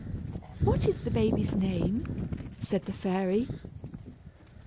"What is the baby's name?" said the fairy.